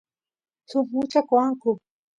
suk mucha qoanku